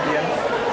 telah senangat ujian